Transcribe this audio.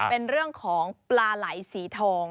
เป็นเรื่องของปลาไหลสีทอง